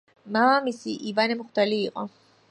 მამამისი ივანე მღვდელი იყო.